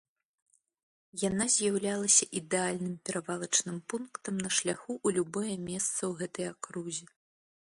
Яна з'яўлялася ідэальным перавалачным пунктам на шляху ў любое месца ў гэтай акрузе.